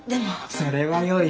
それはよい。